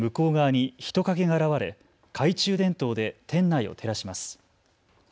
ガラスのドアの向こう側に人影が現れ懐中電灯で店内を照らします。